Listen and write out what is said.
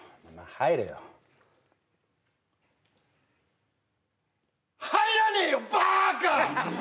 入れよ入らねえよバーカ！